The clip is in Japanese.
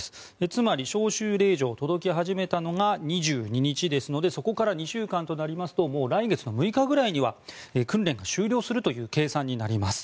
つまり、招集令状が届き始めたのが２２日ですのでそこから２週間となりますともう来月の６日ぐらいには訓練が終了するという計算になります。